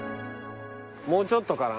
もうちょっとかな？